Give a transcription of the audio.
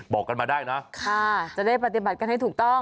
บอกกันมาได้นะค่ะจะได้ปฏิบัติกันให้ถูกต้อง